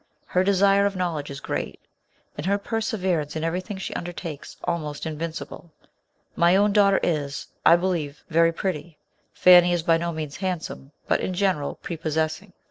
Her desire of knowledge is great, and her perseverance in everything she undertakes almost invincible. My own daughter is, I believe, verj pretty. Fanny is by no means handsome, but, in general, pre possessing.